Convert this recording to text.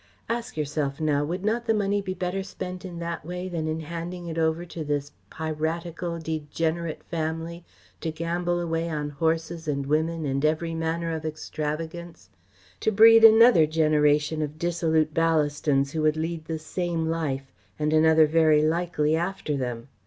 Ask yourself now, would not the money be better spent in that way than in handing it over to this piratical, degenerate family, to gamble away on horses and women and every manner of extravagance; to breed another generation of dissolute Ballastons who would lead the same life, and another very likely after them?